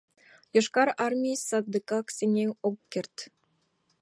Йошкар Армий садыгак сеҥен ок керт.